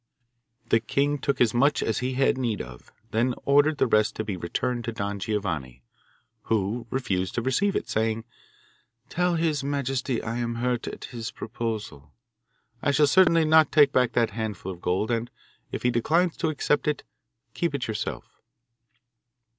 The king took as much as he had need of; then ordered the rest to be returned to Don Giovanni, who refused to receive it, saying, 'Tell his majesty I am much hurt at his proposal. I shall certainly not take back that handful of gold, and, if he declines to accept it, keep it yourself.